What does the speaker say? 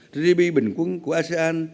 gdp bình quân của asean